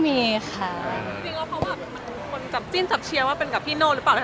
เราก็เอากันเรื่อยตรงนี้กันค่ะ